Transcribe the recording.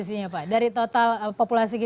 oke kalau sampai saat ini berapa kompetensi